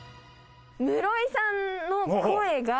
室井さんの声が。